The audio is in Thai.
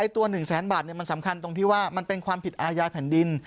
ตัว๑แสนบาทมันสำคัญตรงที่ว่ามันเป็นความผิดอาญาแผ่นดิน